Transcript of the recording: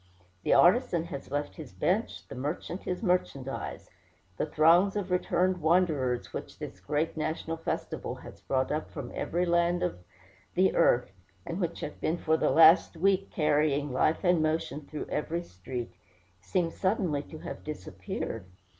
The artisan has left his bench, the merchant his merchandise; the throngs of returned wanderers which this great national festival has brought up from every land of the earth, and which have been for the last week carrying life and motion through every street, seem suddenly to have disappeared.